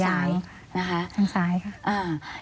ทางซ้ายค่ะ